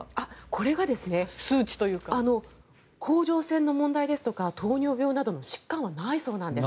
これが甲状腺の問題ですとか糖尿病などの疾患はないそうなんです。